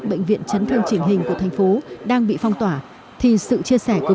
bệnh viện chấn thương chỉnh hình của thành phố đang bị phong tỏa thì sự chia sẻ của